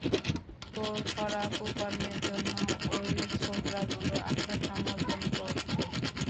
তোর করা কুকর্মের জন্য ওই ছোকড়াগুলো আত্মসমর্পণ করছে।